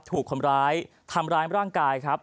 ถูกคนร้ายทำร้ายร่างกายครับ